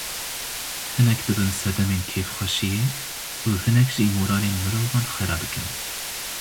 Hinek dibin sedemên kêfxweşiyê û hinek jî moralên mirovan xera dikin.